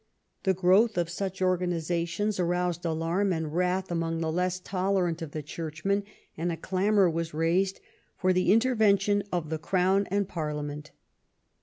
The growth of snch organizations aroused alarm and wrath among the less tolerant of the churchmen, and a clamor was raised for the intervention of the crown and Parlia ment.